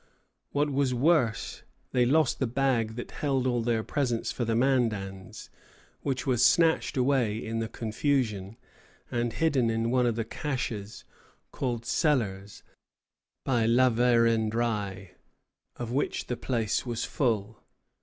What was worse, they lost the bag that held all their presents for the Mandans, which was snatched away in the confusion, and hidden in one of the caches, called cellars by La Vérendrye, of which the place was full.